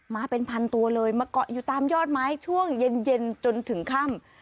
มาเป็นพันตัวเลยมาเกาะอยู่ตามยอดไม้ช่วงเย็นจนถึงค่ำ